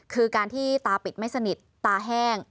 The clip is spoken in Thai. คือการที่ตาปิดไม่สนิทตาแห้ง